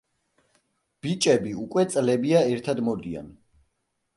ბიჭები უკვე წლებია, ერთად მოდიან.